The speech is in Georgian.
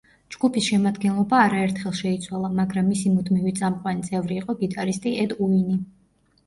ჯგუფის შემადგენლობა არაერთხელ შეიცვალა, მაგრამ მისი მუდმივი წამყვანი წევრი იყო გიტარისტი ედ უინი.